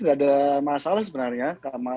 gak ada masalah sebenarnya